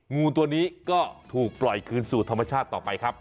งูตัวนี้ก็ถูกปล่อยคืนสู่ธรรมชาติต่อไปครับ